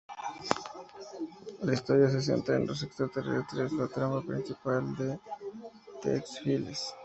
La historia se centra en los extraterrestres, la trama principal de "The X-Files".